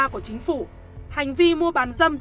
của chính phủ hành vi mua bán dâm